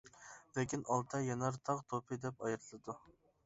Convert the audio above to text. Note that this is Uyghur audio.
لېكىن ئالتە يانار تاغ توپى دەپ ئايرىلىدۇ.